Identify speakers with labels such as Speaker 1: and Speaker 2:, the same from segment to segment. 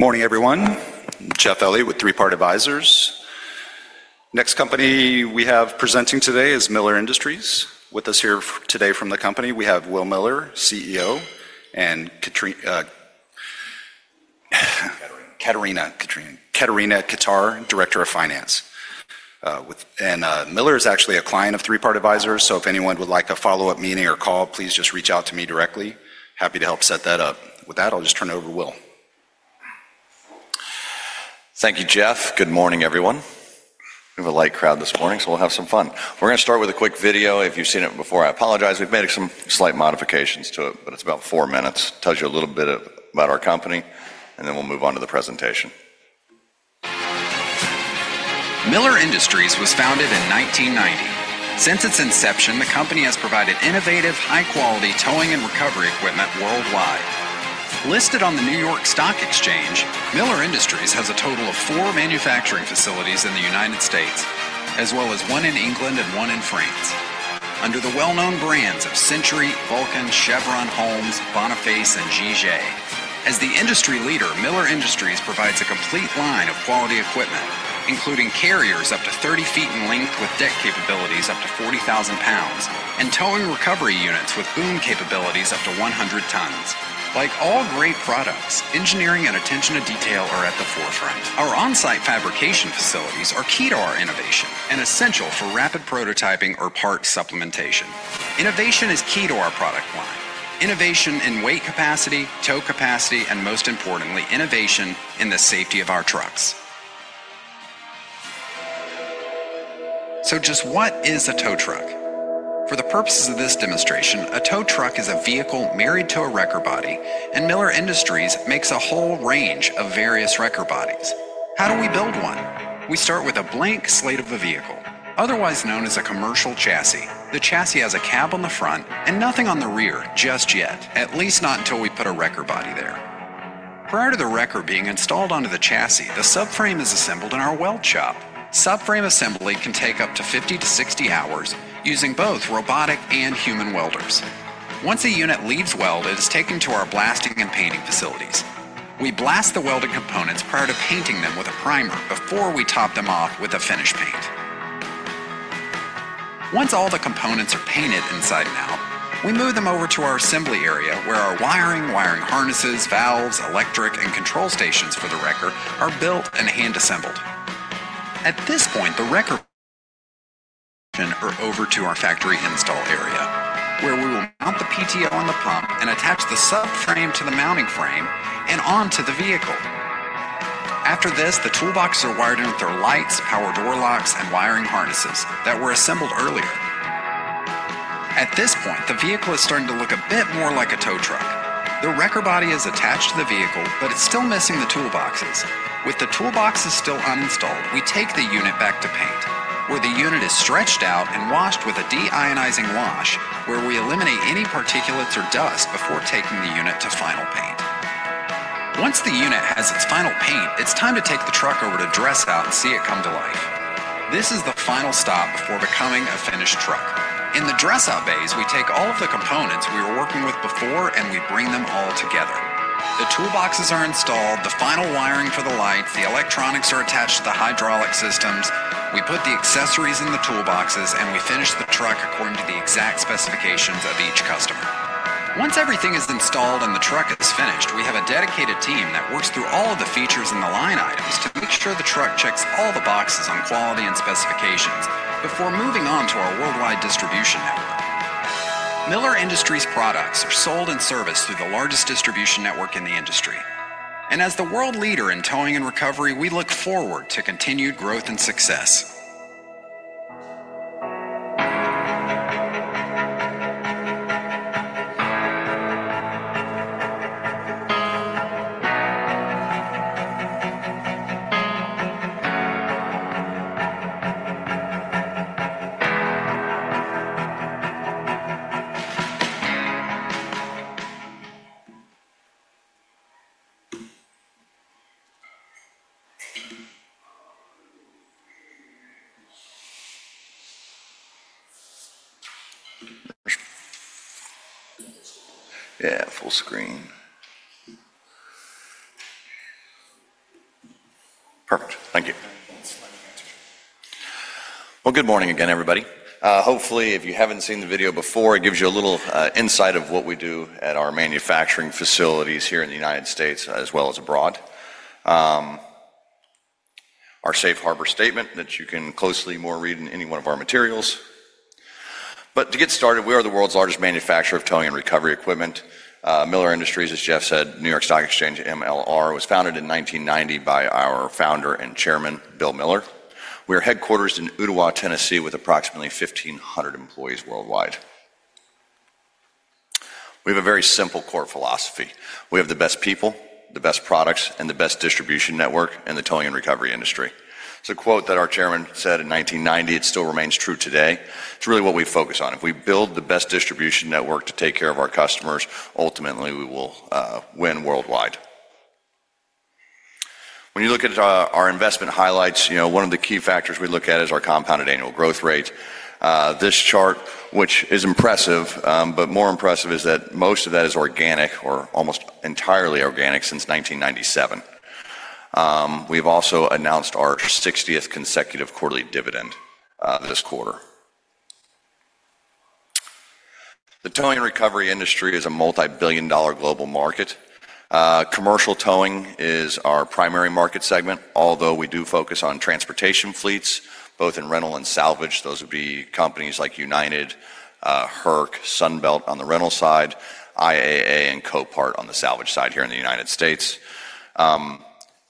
Speaker 1: Morning, everyone. Jeff Elliott with 3 Part Advisors. Next company we have presenting today is Miller Industries. With us here today from the company, we have Will Miller, CEO, and Kateryna Kitar. Katerina. Katerina. Kateryna Kitar, Director of Finance. And Miller is actually a client of 3 Part Advisors, so if anyone would like a follow-up meeting or call, please just reach out to me directly. Happy to help set that up. With that, I'll just turn it over to Will.
Speaker 2: Thank you, Jeff. Good morning, everyone. We have a light crowd this morning, so we'll have some fun. We're going to start with a quick video. If you've seen it before, I apologize. We've made some slight modifications to it, but it's about four minutes. It tells you a little bit about our company, and then we'll move on to the presentation.
Speaker 3: Miller Industries was founded in 1990. Since its inception, the company has provided innovative, high-quality towing and recovery equipment worldwide. Listed on the New York Stock Exchange, Miller Industries has a total of four manufacturing facilities in the U.S., as well as one in England and one in France. Under the well-known brands of Century, Vulcan, Chevron, Holmes, Boniface, and GJ, as the industry leader, Miller Industries provides a complete line of quality equipment, including carriers up to 30 feet in length with deck capabilities up to 40,000 pounds, and towing recovery units with boom capabilities up to 100 tons. Like all great products, engineering and attention to detail are at the forefront. Our on-site fabrication facilities are key to our innovation and essential for rapid prototyping or part supplementation. Innovation is key to our product line. Innovation in weight capacity, tow capacity, and most importantly, innovation in the safety of our trucks. Just what is a tow truck? For the purposes of this demonstration, a tow truck is a vehicle married to a wrecker body, and Miller Industries makes a whole range of various wrecker bodies. How do we build one? We start with a blank slate of the vehicle, otherwise known as a commercial chassis. The chassis has a cab on the front and nothing on the rear just yet, at least not until we put a wrecker body there. Prior to the wrecker being installed onto the chassis, the subframe is assembled in our weld shop. Subframe assembly can take up to 50 to 60 hours using both robotic and human welders. Once a unit leaves weld, it is taken to our blasting and painting facilities. We blast the welded components prior to painting them with a primer before we top them off with a finish paint. Once all the components are painted inside and out, we move them over to our assembly area where our wiring, wiring harnesses, valves, electric, and control stations for the record are built and hand-assembled. At this point, the record are over to our factory install area where we will mount the PTO on the pump and attach the subframe to the mounting frame and onto the vehicle. After this, the toolbox is wired in with their lights, power door locks, and wiring harnesses that were assembled earlier. At this point, the vehicle is starting to look a bit more like a tow truck. The record body is attached to the vehicle, but it's still missing the toolboxes. With the toolboxes still uninstalled, we take the unit back to paint where the unit is stretched out and washed with a deionizing wash where we eliminate any particulates or dust before taking the unit to final paint. Once the unit has its final paint, it's time to take the truck over to dress out and see it come to life. This is the final stop before becoming a finished truck. In the dress-out bays, we take all of the components we were working with before and we bring them all together. The toolboxes are installed, the final wiring for the lights, the electronics are attached to the hydraulic systems. We put the accessories in the toolboxes and we finish the truck according to the exact specifications of each customer. Once everything is installed and the truck is finished, we have a dedicated team that works through all of the features in the line items to make sure the truck checks all the boxes on quality and specifications before moving on to our worldwide distribution network. Miller Industries products are sold and serviced through the largest distribution network in the industry. And as the world leader in towing and recovery, we look forward to continued growth and success.
Speaker 2: Yeah, full screen. Perfect. Thank you. Well, good morning again, everybody. Hopefully, if you haven't seen the video before, it gives you a little insight of what we do at our manufacturing facilities here in the U.S. as well as abroad. Our Safe Harbor statement that you can closely read in any one of our materials. But to get started, we are the world's largest manufacturer of towing and recovery equipment. Miller Industries, as Jeff said, New York Stock Exchange MLR, was founded in 1990 by our founder and chairman, Bill Miller. We are headquartered in Ooltewah, Tennessee, with approximately 1,500 employees worldwide. We have a very simple core philosophy. We have the best people, the best products, and the best distribution network in the towing and recovery industry. It's a quote that our chairman said in 1990. It still remains true today. It's really what we focus on. If we build the best distribution network to take care of our customers, ultimately, we will win worldwide. When you look at our investment highlights, one of the key factors we look at is our compounded annual growth rate. This chart, which is impressive, but more impressive is that most of that is organic or almost entirely organic since 1997. We have also announced our 60th consecutive quarterly dividend this quarter. The towing and recovery industry is a multi-billion dollar global market. Commercial towing is our primary market segment, although we do focus on transportation fleets, both in rental and salvage. Those would be companies like U-Haul, Hertz, Sunbelt on the rental side, IAA, and Copart on the salvage side here in the U.S.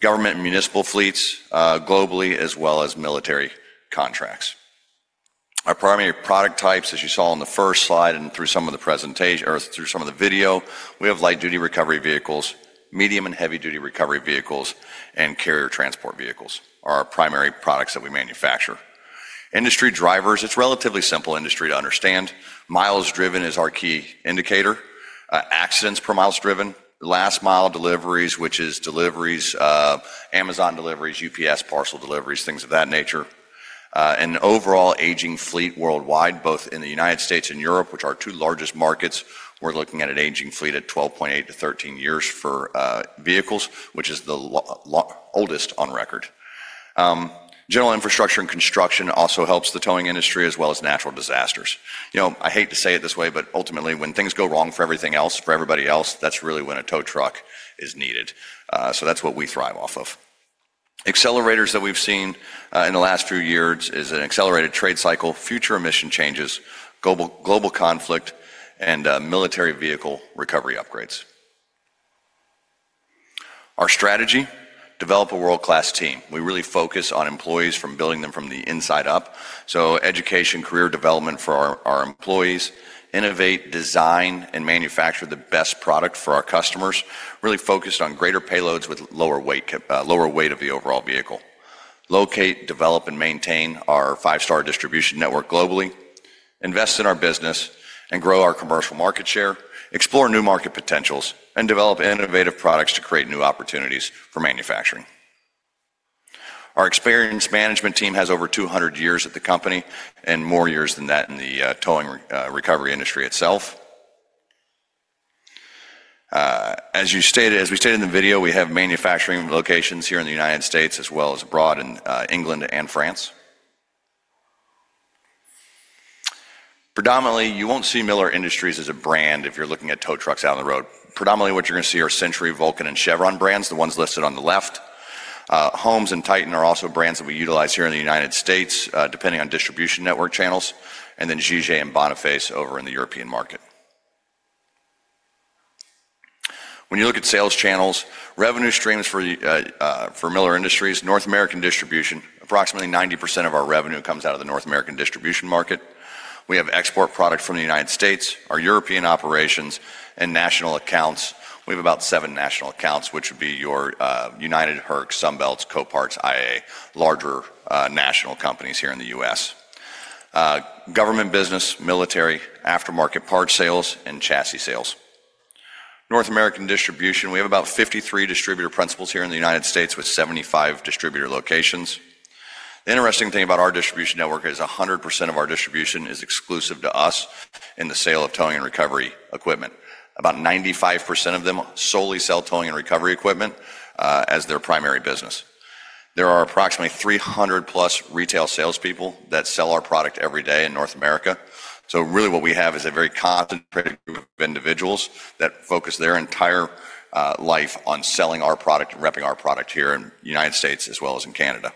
Speaker 2: Government and municipal fleets globally, as well as military contracts. Our primary product types, as you saw on the first slide and through some of the presentation or through some of the video, we have light-duty recovery vehicles, medium and heavy-duty recovery vehicles, and carrier transport vehicles are our primary products that we manufacture. Industry drivers, it's relatively simple industry to understand. Miles driven is our key indicator. Accidents per miles driven, last mile deliveries, which is deliveries, Amazon deliveries, UPS parcel deliveries, things of that nature. And overall, aging fleet worldwide, both in the U.S. and Europe, which are our 2 largest markets. We're looking at an aging fleet at 12.8 to 13 years for vehicles, which is the oldest on record. General infrastructure and construction also helps the towing industry, as well as natural disasters. I hate to say it this way, but ultimately, when things go wrong for everything else, for everybody else, that's really when a tow truck is needed. So that's what we thrive off of. Accelerators that we've seen in the last few years is an accelerated trade cycle, future emission changes, global conflict, and military vehicle recovery upgrades. Our strategy, develop a world-class team. We really focus on employees from building them from the inside up. So education, career development for our employees, innovate, design, and manufacture the best product for our customers, really focused on greater payloads with lower weight of the overall vehicle. Locate, develop, and maintain our five-star distribution network globally, invest in our business, and grow our commercial market share, explore new market potentials, and develop innovative products to create new opportunities for manufacturing. Our experienced management team has over 200 years at the company and more years than that in the towing recovery industry itself. As we stated in the video, we have manufacturing locations here in the U.S., as well as abroad in England and France. Predominantly, you won't see Miller Industries as a brand if you're looking at tow trucks out on the road. Predominantly, what you're going to see are Century, Vulcan, and Chevron brands, the ones listed on the left. Holmes and Titan are also brands that we utilize here in the U.S., depending on distribution network channels, and then GJ and Boniface over in the European market. When you look at sales channels, revenue streams for Miller Industries, North American distribution, approximately 90% of our revenue comes out of the North American distribution market. We have export product from the U.S., our European operations, and national accounts. We have about seven national accounts, which would be U-Haul, Hertz, Sunbelt, Coparts, IA, larger national companies here in the U.S. Government business, military, aftermarket part sales, and chassis sales. North American distribution, we have about 53 distributor principals here in the U.S. with 75 distributor locations. The interesting thing about our distribution network is 100% of our distribution is exclusive to us in the sale of towing and recovery equipment. About 95% of them solely sell towing and recovery equipment as their primary business. There are approximately 300-plus retail salespeople that sell our product every day in North America. So really, what we have is a very concentrated group of individuals that focus their entire life on selling our product and repping our product here in the U.S. as well as in Canada.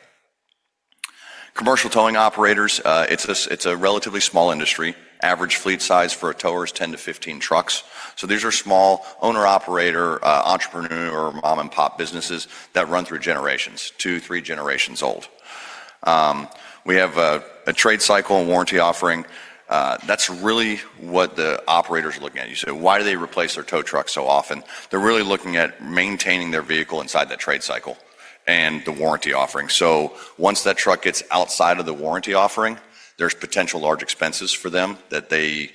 Speaker 2: Commercial towing operators, it's a relatively small industry. Average fleet size for towers is 10 to 15 trucks. So these are small owner-operator, entrepreneur, mom-and-pop businesses that run through generations, two, 3 generations old. We have a trade cycle and warranty offering. That's really what the operators are looking at. You say, "Why do they replace their tow truck so often?" They're really looking at maintaining their vehicle inside that trade cycle and the warranty offering. So once that truck gets outside of the warranty offering, there's potential large expenses for them that they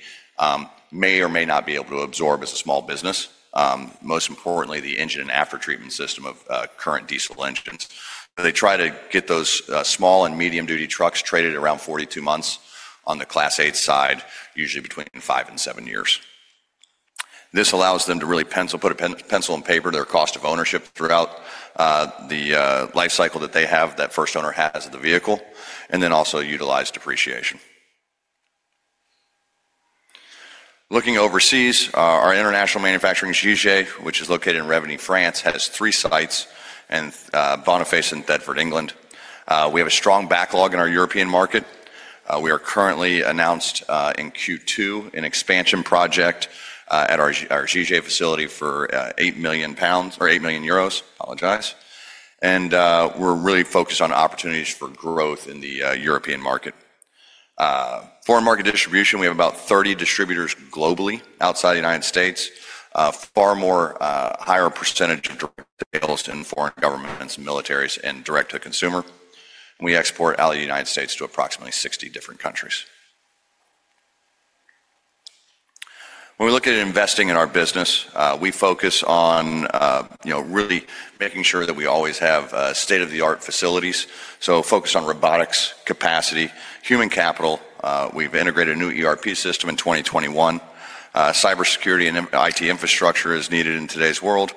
Speaker 2: may or may not be able to absorb as a small business. Most importantly, the engine and aftertreatment system of current diesel engines. They try to get those small and medium-duty trucks traded around 42 months on the Class 8 side, usually between five and seven years. This allows them to really put a pencil and paper to their cost of ownership throughout the life cycle that they have, that first owner has of the vehicle, and then also utilize depreciation. Looking overseas, our international manufacturing GJ, which is located in Reuilly, France, has 3 sites: Boniface in Bedford, England. We have a strong backlog in our European market. We are currently announced in Q2 an expansion project at our GJ facility for 8 million pounds or 8 million euros. Apologize. And we're really focused on opportunities for growth in the European market. Foreign market distribution, we have about 30 distributors globally outside the U.S., far more higher percentage of direct sales in foreign governments, militaries, and direct-to-consumer. We export out of the U.S. to approximately 60 different countries. When we look at investing in our business, we focus on really making sure that we always have state-of-the-art facilities. So focus on robotics, capacity, human capital. We've integrated a new ERP system in 2021. Cybersecurity and IT infrastructure is needed in today's world.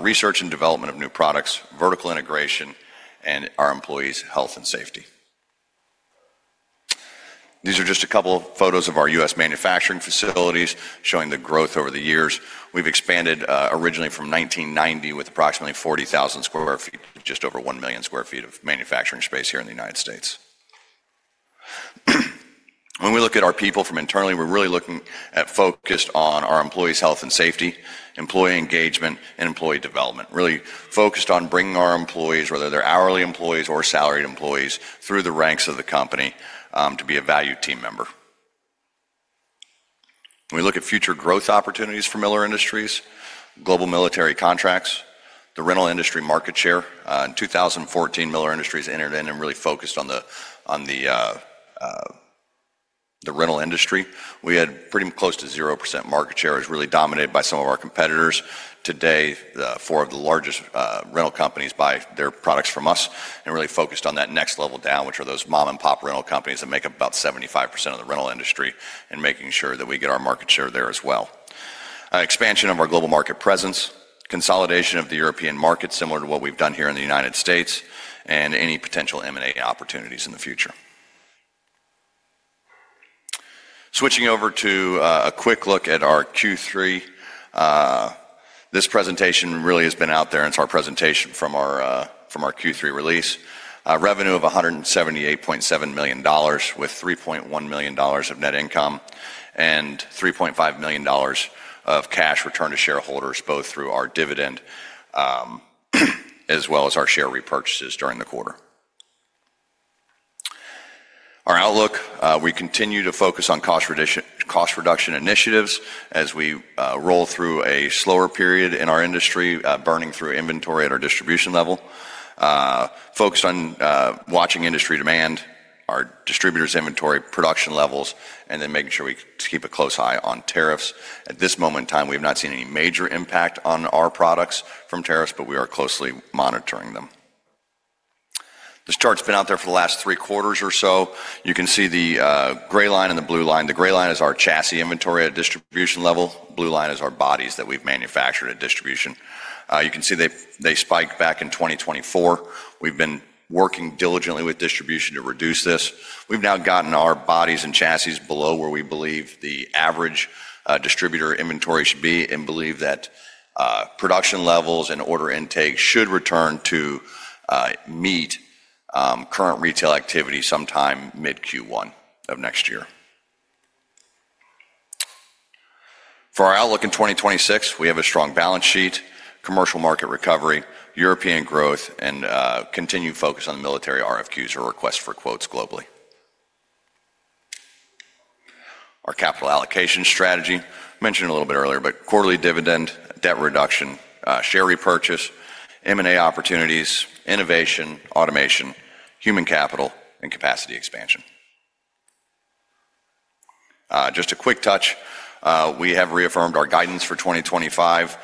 Speaker 2: Research and development of new products, vertical integration, and our employees' health and safety. These are just a couple of photos of our U.S. manufacturing facilities showing the growth over the years. We've expanded originally from 1990 with approximately 40,000 square feet to just over 1 million square feet of manufacturing space here in the U.S.. When we look at our people from internally, we're really looking at focus on our employees' health and safety, employee engagement, and employee development. Really focused on bringing our employees, whether they're hourly employees or salaried employees, through the ranks of the company to be a valued team member. When we look at future growth opportunities for Miller Industries, global military contracts, the rental industry market share. In 2014, Miller Industries entered in and really focused on the rental industry. We had pretty close to 0% market share. It was really dominated by some of our competitors. Today, four of the largest rental companies buy their products from us and really focused on that next level down, which are those mom-and-pop rental companies that make up about 75% of the rental industry and making sure that we get our market share there as well. Expansion of our global market presence, consolidation of the European market similar to what we've done here in the U.S., and any potential M&A opportunities in the future. Switching over to a quick look at our Q3. This presentation really has been out there, and it's our presentation from our Q3 release. Revenue of $178.7 million with $3.1 million of net income and $3.5 million of cash returned to shareholders, both through our dividend as well as our share repurchases during the quarter. Our outlook, we continue to focus on cost reduction initiatives as we roll through a slower period in our industry, burning through inventory at our distribution level. Focused on watching industry demand, our distributors' inventory, production levels, and then making sure we keep a close eye on tariffs. At this moment in time, we have not seen any major impact on our products from tariffs, but we are closely monitoring them. This chart's been out there for the last 3 quarters or so. You can see the gray line and the blue line. The gray line is our chassis inventory at distribution level. Blue line is our bodies that we've manufactured at distribution. You can see they spiked back in 2024. We've been working diligently with distribution to reduce this. We've now gotten our bodies and chassis below where we believe the average distributor inventory should be and believe that production levels and order intake should return to meet current retail activity sometime mid-Q1 of next year. For our outlook in 2026, we have a strong balance sheet, commercial market recovery, European growth, and continued focus on military RFQs or requests for quotes globally. Our capital allocation strategy, mentioned a little bit earlier, but quarterly dividend, debt reduction, share repurchase, M&A opportunities, innovation, automation, human capital, and capacity expansion. Just a quick touch, we have reaffirmed our guidance for 2025.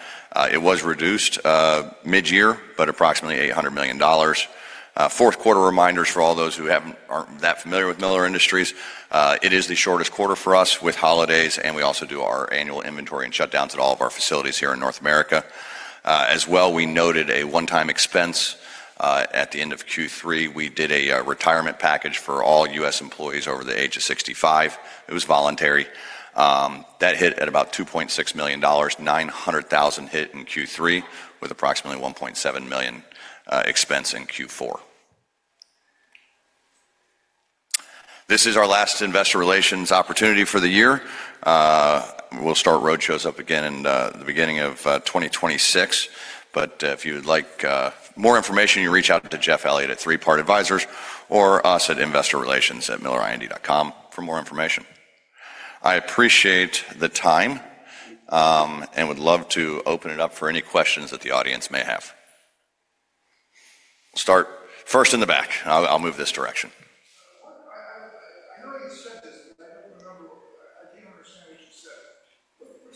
Speaker 2: It was reduced mid-year, but approximately $800 million. Fourth quarter reminders for all those who aren't that familiar with Miller Industries. It is the shortest quarter for us with holidays, and we also do our annual inventory and shutdowns at all of our facilities here in North America. As well, we noted a one-time expense at the end of Q3. We did a retirement package for all U.S. employees over the age of 65. It was voluntary. That hit at about $2.6 million. 900,000 hit in Q3 with approximately 1.7 million expense in Q4. This is our last investor relations opportunity for the year. We'll start roadshows up again in the beginning of 2026. But if you'd like more information, you reach out to Jeff Elliott at 3 Part Advisors or us at investorrelations@millerind.com for more information. I appreciate the time and would love to open it up for any questions that the audience may have. We'll start first in the back. I'll move this direction.
Speaker 4: I know you said this, but I don't remember. I didn't understand what you said.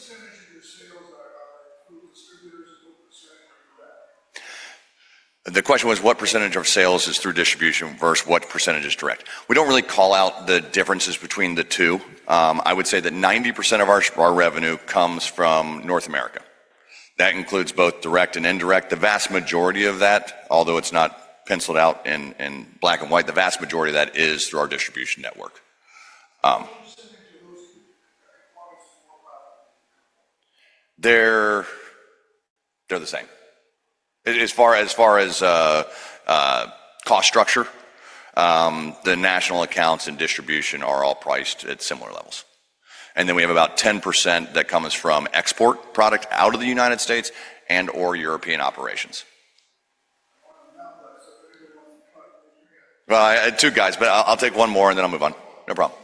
Speaker 4: What percentage of your sales are through distributors and what percentage are direct?
Speaker 2: The question was, what percentage of sales is through distribution versus what percentage is direct? We don't really call out the differences between the two. I would say that 90% of our revenue comes from North America. That includes both direct and indirect. The vast majority of that, although it's not penciled out in black and white, the vast majority of that is through our distribution network. They're the same. As far as cost structure, the national accounts and distribution are all priced at similar levels. And then we have about 10% that comes from export products out of the U.S. and/or European operations. 2 guys, but I'll take one more and then I'll move on. No problem.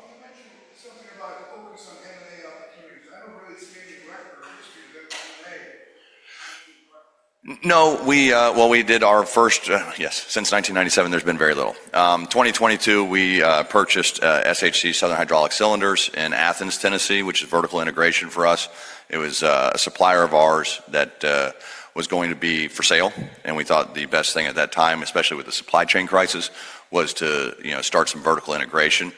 Speaker 4: You mentioned something about focus on M&A opportunities. I don't really see any direct or indirect M&A.
Speaker 2: No. Well, we did our first yes. Since 1997, there's been very little. 2022, we purchased SHC Southern Hydraulic Cylinders in Athens, Tennessee, which is vertical integration for us. It was a supplier of ours that was going to be for sale. And we thought the best thing at that time, especially with the supply chain crisis, was to start some vertical integration.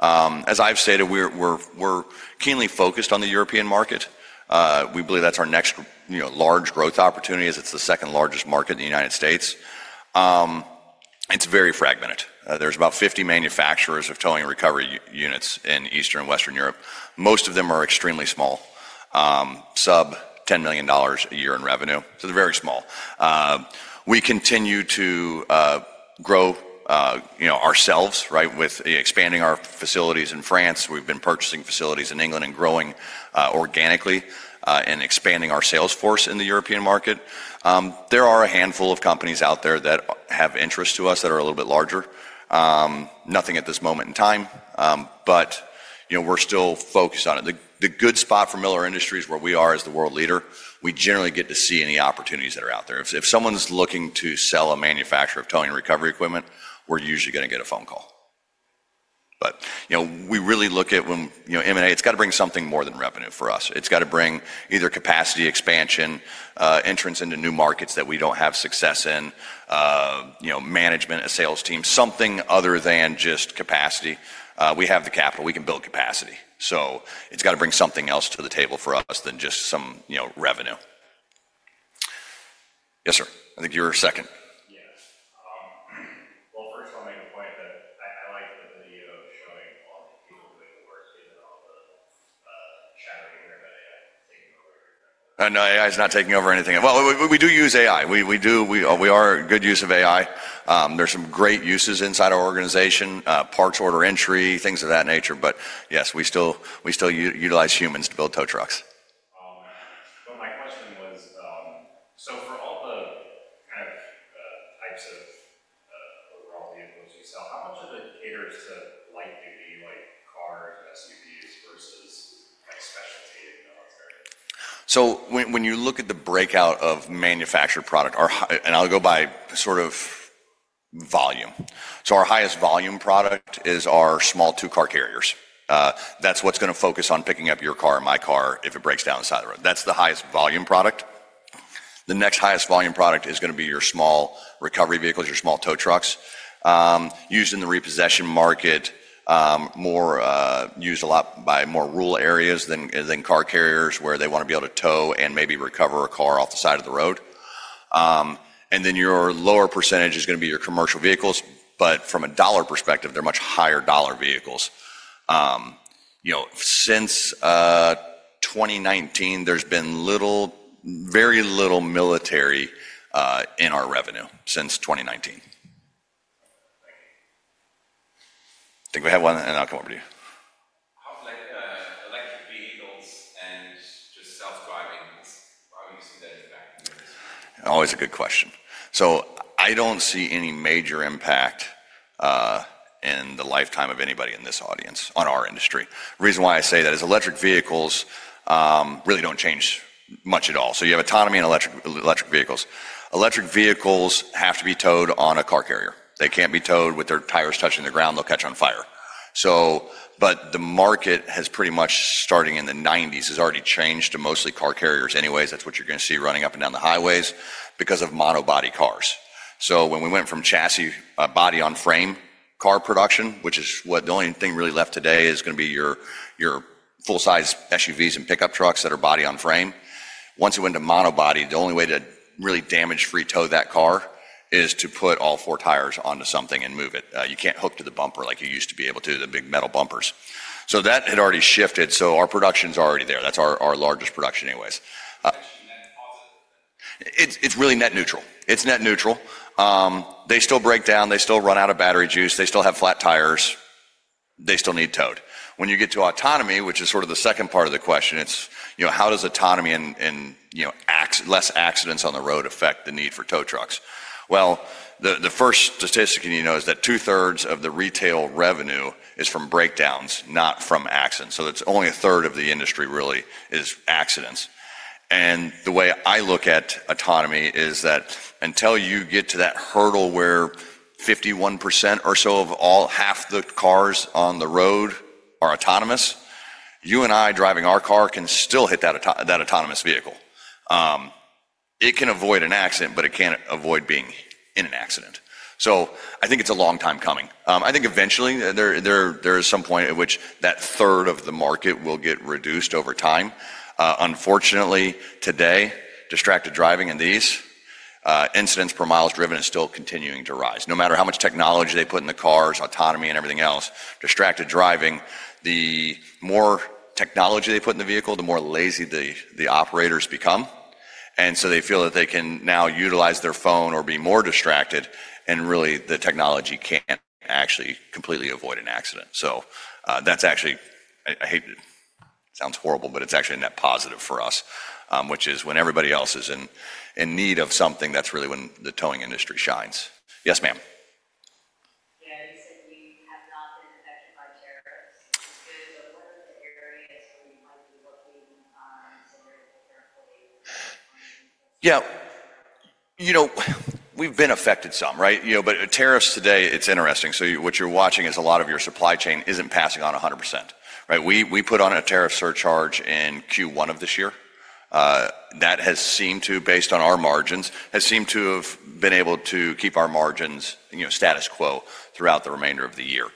Speaker 2: As I've stated, we're keenly focused on the European market. We believe that's our next large growth opportunity as it's the second largest market in the U.S.. It's very fragmented. There's about 50 manufacturers of towing and recovery units in Eastern and Western Europe. Most of them are extremely small, sub $10 million a year in revenue. So they're very small. We continue to grow ourselves, right, with expanding our facilities in France. We've been purchasing facilities in England and growing organically and expanding our sales force in the European market. There are a handful of companies out there that have interest to us that are a little bit larger. Nothing at this moment in time, but we're still focused on it. The good spot for Miller Industries where we are as the world leader, we generally get to see any opportunities that are out there. If someone's looking to sell a manufacturer of towing and recovery equipment, we're usually going to get a phone call. But we really look at when M&A, it's got to bring something more than revenue for us. It's got to bring either capacity expansion, entrance into new markets that we don't have success in, management, a sales team, something other than just capacity. We have the capital. We can build capacity. So it's got to bring something else to the table for us than just some revenue. Yes, sir. I think you were second. Yes.
Speaker 4: Well, first, I'll make a point that I like the video showing all the people doing the work, even all the chattering here about AI taking over everything.
Speaker 2: No, AI is not taking over anything. Well, we do use AI. We are a good use of AI. There's some great uses inside our organization, parts order entry, things of that nature. But yes, we still utilize humans to build tow trucks.
Speaker 4: But my question was, so for all the kind of types of overall vehicles you sell, how much of it caters to light duty, like cars, SUVs versus specialty and military?
Speaker 2: So when you look at the breakout of manufactured product, and I'll go by sort of volume. So our highest volume product is our small two-car carriers. That's what's going to focus on picking up your car and my car if it breaks down inside the road. That's the highest volume product. The next highest volume product is going to be your small recovery vehicles, your small tow trucks. Used in the repossession market, more used a lot by more rural areas than car carriers where they want to be able to tow and maybe recover a car off the side of the road. And then your lower percentage is going to be your commercial vehicles, but from a dollar perspective, they're much higher dollar vehicles. Since 2019, there's been very little military in our revenue since 2019. I think we have one, and I'll come over to you.
Speaker 4: How's electric vehicles and just self-driving? Why would you see that impact in your business?
Speaker 2: Always a good question. So I don't see any major impact in the lifetime of anybody in this audience on our industry. The reason why I say that is electric vehicles really don't change much at all. So you have autonomy in electric vehicles. Electric vehicles have to be towed on a car carrier. They can't be towed with their tires touching the ground. They'll catch on fire. But the market has pretty much, starting in the '90s, has already changed to mostly car carriers anyways. That's what you're going to see running up and down the highways because of monobody cars. So when we went from chassis body-on-frame car production, which is what the only thing really left today is going to be your full-size SUVs and pickup trucks that are body-on-frame. Once you went to monobody, the only way to really damage-free tow that car is to put all four tires onto something and move it. You can't hook to the bumper like you used to be able to, the big metal bumpers. So that had already shifted. So our production's already there. That's our largest production anyways. Question then positive? It's really net neutral. It's net neutral. They still break down. They still run out of battery juice. They still have flat tires. They still need towed. When you get to autonomy, which is sort of the second part of the question, it's how does autonomy and less accidents on the road affect the need for tow trucks? Well, the first statistic you know is that two-thirds of the retail revenue is from breakdowns, not from accidents. So it's only a third of the industry really is accidents. And the way I look at autonomy is that until you get to that hurdle where 51% or so of all half the cars on the road are autonomous, you and I driving our car can still hit that autonomous vehicle. It can avoid an accident, but it can't avoid being in an accident. So I think it's a long time coming. I think eventually there is some point at which that third of the market will get reduced over time. Unfortunately, today, distracted driving and these incidents per miles driven is still continuing to rise. No matter how much technology they put in the cars, autonomy, and everything else, distracted driving, the more technology they put in the vehicle, the more lazy the operators become. And so they feel that they can now utilize their phone or be more distracted, and really the technology can't actually completely avoid an accident. So that's actually I hate to sound horrible, but it's actually a net positive for us, which is when everybody else is in need of something, that's really when the towing industry shines. Yes, ma'am.
Speaker 4: Yeah. You said we have not been affected by tariffs. It's good, but what are the areas where you might be looking to take care of what you're doing?
Speaker 2: Yeah. We've been affected some, right? But tariffs today, it's interesting. So what you're watching is a lot of your supply chain isn't passing on 100%, right? We put on a tariff surcharge in Q1 of this year. That has seemed to, based on our margins, has seemed to have been able to keep our margins status quo throughout the remainder of the year.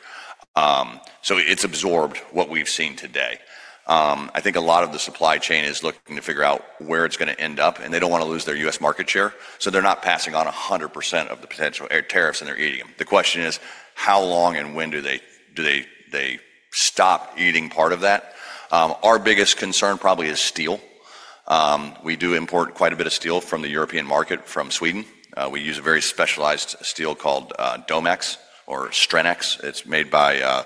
Speaker 2: So it's absorbed what we've seen today. I think a lot of the supply chain is looking to figure out where it's going to end up, and they don't want to lose their U.S. market share. So they're not passing on 100% of the potential tariffs and they're eating them. The question is, how long and when do they stop eating part of that? Our biggest concern probably is steel. We do import quite a bit of steel from the European market from Sweden. We use a very specialized steel called Domex or Strenx. It's made by a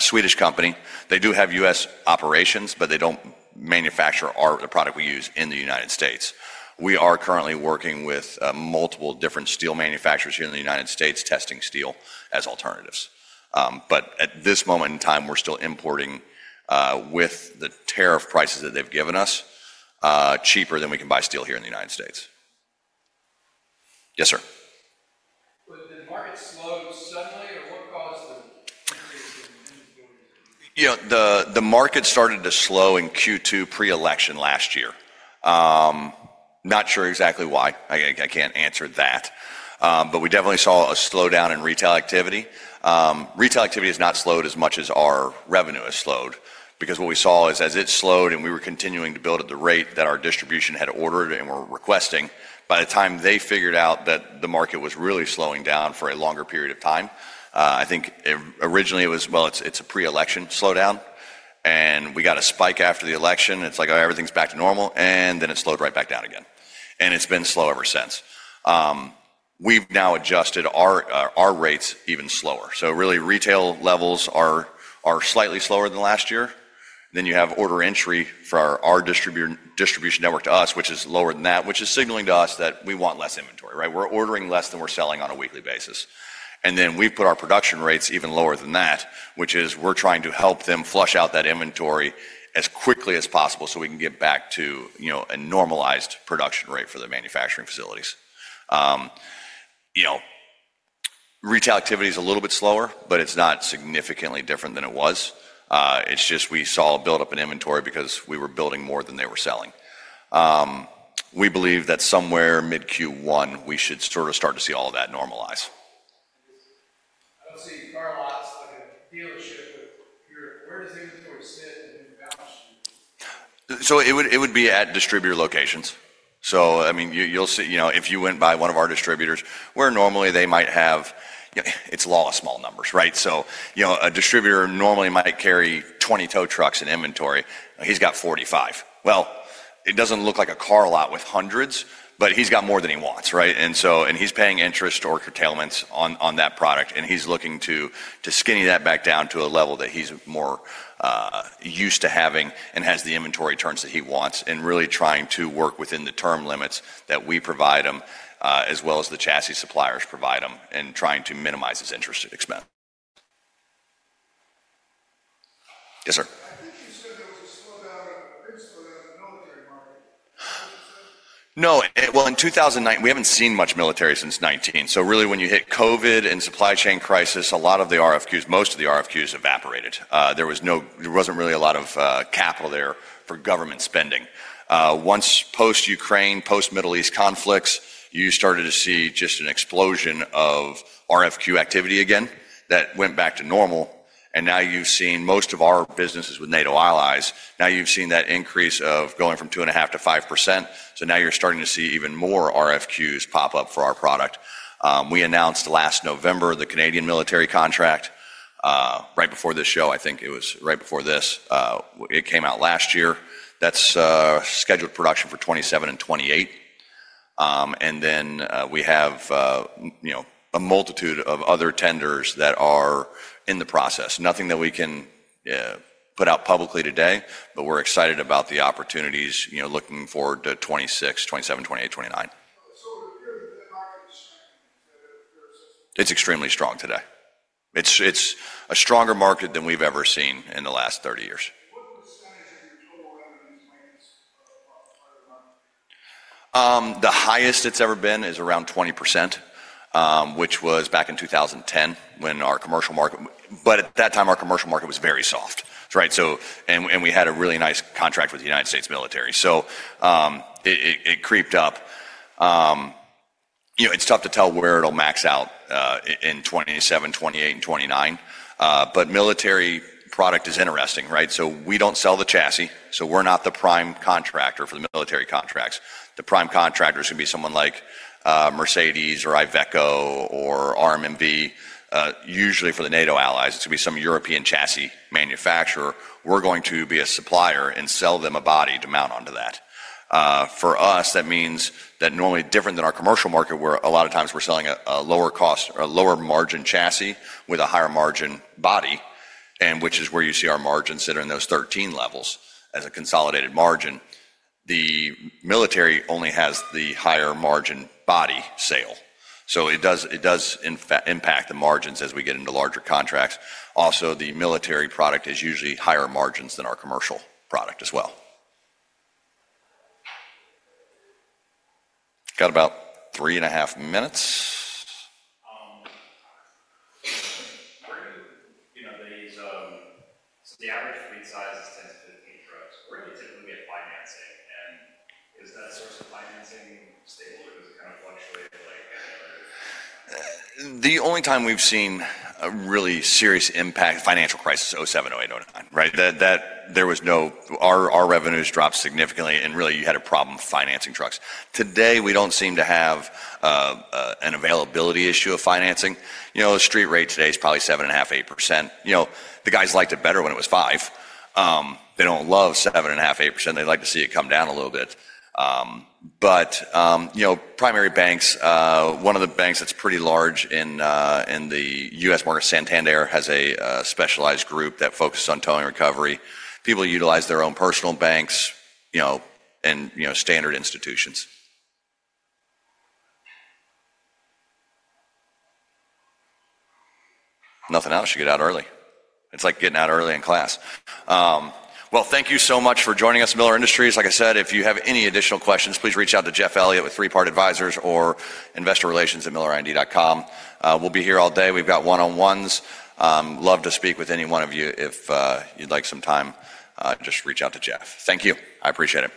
Speaker 2: Swedish company. They do have U.S. operations, but they don't manufacture the product we use in the U.S.. We are currently working with multiple different steel manufacturers here in the U.S. testing steel as alternatives. But at this moment in time, we're still importing with the tariff prices that they've given us, cheaper than we can buy steel here in the U.S.. Yes, sir.
Speaker 4: Did the market slow suddenly, or what caused the increase in inability to?
Speaker 2: The market started to slow in Q2 pre-election last year. Not sure exactly why. I can't answer that. But we definitely saw a slowdown in retail activity. Retail activity has not slowed as much as our revenue has slowed because what we saw is as it slowed and we were continuing to build at the rate that our distribution had ordered and were requesting, by the time they figured out that the market was really slowing down for a longer period of time, I think originally it was, well, it's a pre-election slowdown. And we got a spike after the election. It's like, "Oh, everything's back to normal," and then it slowed right back down again. And it's been slow ever since. We've now adjusted our rates even slower. So really, retail levels are slightly slower than last year. Then you have order entry for our distribution network to us, which is lower than that, which is signaling to us that we want less inventory, right? We're ordering less than we're selling on a weekly basis. And then we've put our production rates even lower than that, which is we're trying to help them flush out that inventory as quickly as possible so we can get back to a normalized production rate for the manufacturing facilities. Retail activity is a little bit slower, but it's not significantly different than it was. It's just we saw a build-up in inventory because we were building more than they were selling. We believe that somewhere mid-Q1, we should sort of start to see all of that normalize. I don't see car lots like a dealership. Where does inventory sit and then balance sheet? So it would be at distributor locations. So I mean, you'll see if you went by one of our distributors, where normally they might have it's lost small numbers, right? So a distributor normally might carry 20 tow trucks in inventory. He's got 45. Well, it doesn't look like a car lot with hundreds, but he's got more than he wants, right? And he's paying interest or curtailments on that product, and he's looking to skinny that back down to a level that he's more used to having and has the inventory turns that he wants and really trying to work within the term limits that we provide him as well as the chassis suppliers provide him and trying to minimize his interest expense. Yes, sir.
Speaker 4: I think you said there was a slowdown or a big slowdown in the military market. What did you say?
Speaker 2: No. Well, in 2019, we haven't seen much military since '19. So really, when you hit COVID and supply chain crisis, a lot of the RFQs, most of the RFQs evaporated. There wasn't really a lot of capital there for government spending. Once post-Ukraine, post-Middle East conflicts, you started to see just an explosion of RFQ activity again that went back to normal. And now you've seen most of our businesses with NATO allies. Now you've seen that increase of going from 2.5 to 5%. So now you're starting to see even more RFQs pop up for our product. We announced last November the Canadian military contract right before this show. I think it was right before this. It came out last year. That's scheduled production for '27 and '28. And then we have a multitude of other tenders that are in the process. Nothing that we can put out publicly today, but we're excited about the opportunities, looking forward to '26, '27, '28, '29. So the market is strong today or very sensitive? It's extremely strong today. It's a stronger market than we've ever seen in the last 30 years. What percentage of your total revenue is minus part of the market? The highest it's ever been is around 20%, which was back in 2010 when our commercial market, but at that time, our commercial market was very soft. And we had a really nice contract with the U.S. military. So it creeped up. It's tough to tell where it'll max out in '27, '28, and '29. But military product is interesting, right? So we don't sell the chassis. So we're not the prime contractor for the military contracts. The prime contractor is going to be someone like Mercedes or Iveco or RMMV. Usually, for the NATO allies, it's going to be some European chassis manufacturer. We're going to be a supplier and sell them a body to mount onto that. For us, that means that normally, different than our commercial market, where a lot of times we're selling a lower cost or a lower margin chassis with a higher margin body, which is where you see our margins sit in those 13 levels as a consolidated margin, the military only has the higher margin body sale. So it does impact the margins as we get into larger contracts. Also, the military product is usually higher margins than our commercial product as well. Got about 3 and a half minutes. Where do these so the average fleet size is 10 to 15 trucks. Where do you typically get financing? And is that source of financing stable or does it kind of fluctuate like every other? The only time we've seen a really serious impact financial crisis, '07, '08, '09, right? There was no our revenues dropped significantly, and really you had a problem financing trucks. Today, we don't seem to have an availability issue of financing. Street rate today is probably 7.5, 8%. The guys liked it better when it was 5. They don't love 7.5, 8%. They'd like to see it come down a little bit. But primary banks, one of the banks that's pretty large in the U.S. market, Santander, has a specialized group that focuses on towing recovery. People utilize their own personal banks and standard institutions. Nothing else. You get out early. It's like getting out early in class. Well, thank you so much for joining us, Miller Industries. Like I said, if you have any additional questions, please reach out to Jeff Elliott with 3 Part Advisors or investorrelations@millerind.com. We'll be here all day. We've got one-on-ones. Love to speak with any one of you. If you'd like some time, just reach out to Jeff. Thank you. I appreciate it.